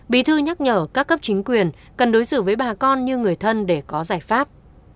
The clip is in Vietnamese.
bí thư nhắc nhở các cấp chính quyền cần đối xử với bà con như người thân để có giải pháp